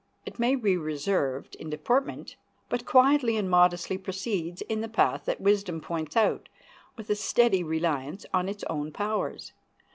It may be reserved in deportment, but quietly and modestly proceeds in the path that wisdom points out, with a steady reliance on its own powers.